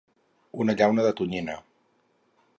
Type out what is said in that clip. Una llauna de tonyina.